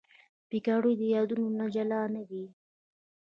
پکورې د یادونو نه جلا نه دي